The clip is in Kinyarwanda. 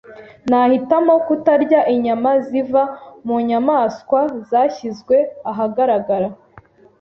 Nahitamo kutarya inyama ziva mu nyamaswa zashyizwe ahagaragara.